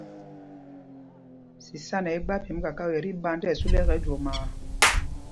Sisána ɛ́ gba pyemb kakao yɛ́ tí ɓand tí ɛsu lɛ ɛkɛ jwomaa.